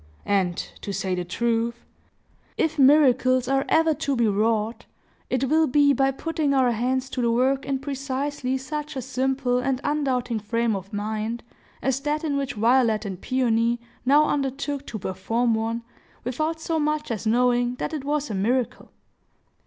And, to say the truth, if miracles are ever to be wrought, it will be by putting our hands to the work in precisely such a simple and undoubting frame of mind as that in which Violet and Peony now undertook to perform one, without so much as knowing that it was a miracle.